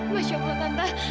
masya allah tante